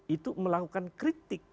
itu melakukan kritik